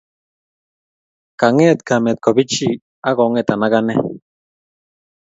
Kanget kamet kopichi ak kongeta ak ane